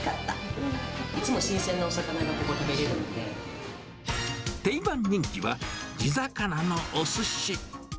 いつも新鮮なお魚がここ、定番人気は、地魚のおすし。